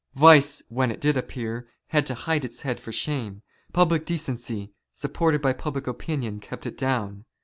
Vice, when it did appear, had to hide its head for shame. Public decency, supported by public opinion, kept it down.